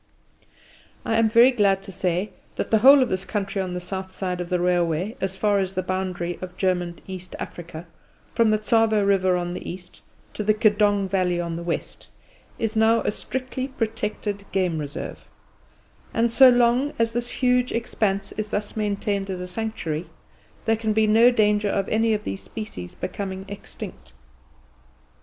I am very glad to say that the whole of this country on the south side of the railway as far as the boundary of German East Africa, from the Tsavo River on the east to the Kedong Valley on the west, is now a strictly protected Game Reserve; and so long, as this huge expanse is thus maintained as a sanctuary, there can be no danger of any of these species becoming extinct.